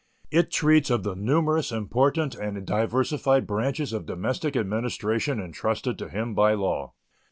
It treats of the numerous important and diversified branches of domestic administration intrusted to him by law.